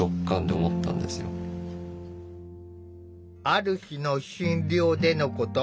ある日の診療でのこと。